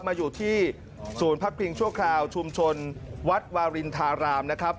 มาอยู่ที่ศูนย์พักพิงชั่วคราวชุมชนวัดวารินทารามนะครับ